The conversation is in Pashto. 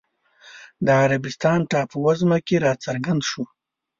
د عربستان ټاپووزمه کې راڅرګند شو